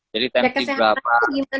jadi tempi berapa